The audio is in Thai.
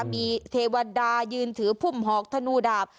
มีเทวดายืนถือพุ่มหอกธนูดาบ